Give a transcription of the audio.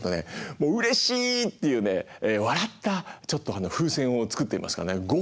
もううれしいっていうね笑った風船を作ってみますからね。